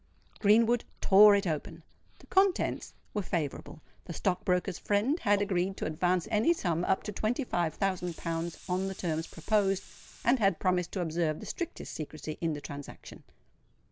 Greenwood tore it open: the contents were favourable. The stock broker's friend had agreed to advance any sum up to twenty five thousand pounds on the terms proposed, and had promised to observe the strictest secrecy in the transaction.